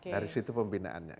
dari situ pembinaannya